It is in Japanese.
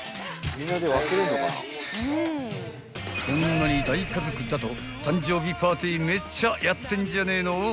［こんなに大家族だと誕生日パーティーめっちゃやってんじゃねえの？］